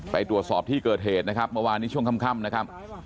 ไปตรวจสอบที่เกิดเหตุนะครับเมื่อวานนี้ช่วงค่ำนะครับ